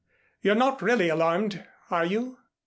You're not really alarmed, are you?"